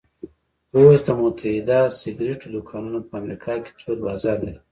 اوس د متحده سګرېټو دوکانونه په امریکا کې تود بازار لري